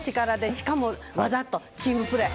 しかも、技とチームプレー。